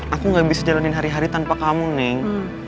aku gak bisa jalanin hari hari tanpa kamu neng